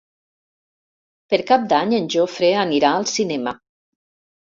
Per Cap d'Any en Jofre anirà al cinema.